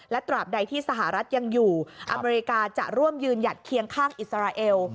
ตราบใดที่สหรัฐยังอยู่อเมริกาจะร่วมยืนหยัดเคียงข้างอิสราเอล